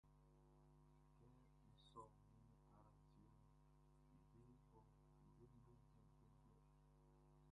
Kɛ n sɔ min aradioʼn, djueʼn bo blɛblɛblɛ.